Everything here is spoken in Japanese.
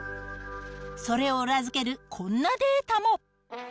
それを裏付けるこんなデータも。